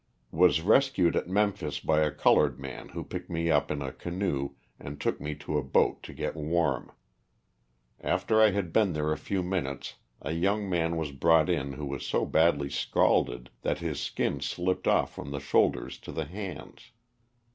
Was rescued at Memphis by a colored man who picked me up in a canoe and took me to a boat to get warm. After I had been there a few minutes a young man was brought in who was so badly scalded that his skin slipped off from the shoulders to the hands.